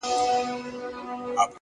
بریا له تمرکز سره مل وي